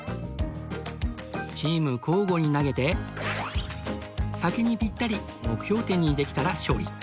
チーム交互に投げて先にピッタリ目標点にできたら勝利